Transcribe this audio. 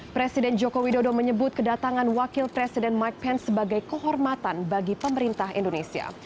presiden joko widodo menyebut kedatangan wakil presiden mike pence sebagai kehormatan bagi pemerintah indonesia